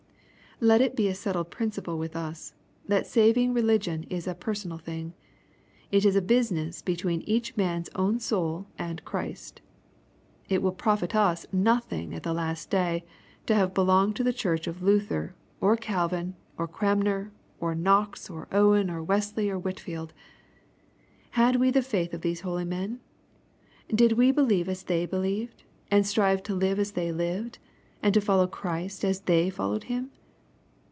Let it be a settled principle with us, that saving religion is a personal thing. It is a business between each man's own soul and Christ. It will profit us no thing at the last day, to have belonged to the Church of Luther, or Calvin, or Cranmer, or Knox, or Owen, or Wesley, or Whitfield. — ^Had we the faith of these holy men ? Did we believe as they believed, and strive to live as they lived, and to follow Christ as they followed Him